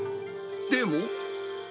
でも。